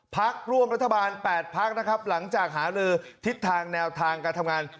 พักร่วมรัฐบาล๘พักนะครับหลังจากหารือทิศทางแนวทางการทำงาน